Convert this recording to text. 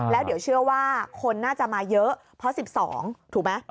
แล้วเดี๋ยวเชื่อว่าคนน่าจะมาเยอะเพราะ๑๒ถูกไหม